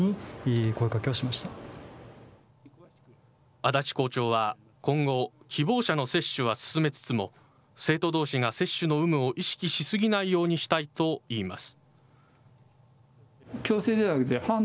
足立校長は今後、希望者の接種は進めつつも、生徒どうしが接種の有無を意識し過ぎないようにしたいといいます。